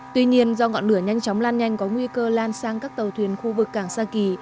tuy nhiên do ngọn lửa nhanh chóng lan nhanh có nguy cơ lan sang các tàu thuyền khu vực cảng sa kỳ